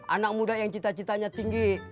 anak muda yang cita citanya tinggi